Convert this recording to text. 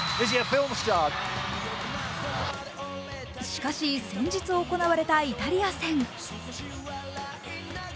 しかし、先日行われたイタリア戦。